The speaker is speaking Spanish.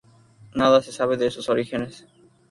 Nada se sabe de sus orígenes.